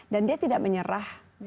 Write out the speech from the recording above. dan dia tidak menyerah